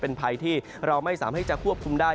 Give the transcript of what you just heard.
เป็นภัยที่เราไม่สามารถจะควบคุมได้